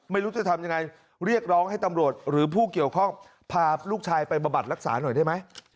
ไม่รู้จะทำยังไงเรียกร้องให้ตำรวจหรือผู้เกี่ยวข้องพาลูกชายไปบำบัดรักษาหน่อยได้ไหม